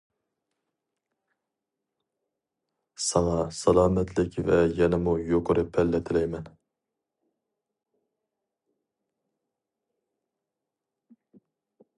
ساڭا سالامەتلىك ۋە يەنىمۇ يۇقىرى پەللە تىلەيمەن!